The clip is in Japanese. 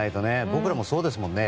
僕らもそうですものね。